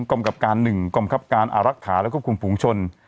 กรรมกับการ๑กรมคับการอารักษาและควบคุมฝุงชน